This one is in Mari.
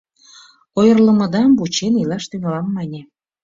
Ойырлымыдам вучен илаш тӱҥалам, мане.